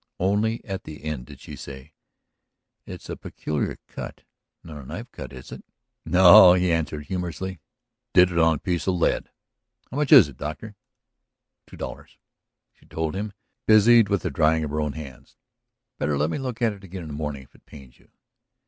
Only at the end did she say: "It's a peculiar cut ... not a knife cut, is it?" "No," he answered humorously. "Did it on a piece of lead. ... How much is it, Doctor?" "Two dollars," she told him, busied with the drying of her own hands. "Better let me look at it again in the morning if it pains you."